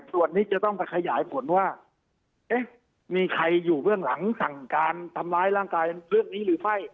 ส่วนนี้จะต้องไปขยายผลว่าเอ๊ะมีใครอยู่เบื้องหลังสั่งการทำร้ายร่างกายเรื่องนี้หรือไม่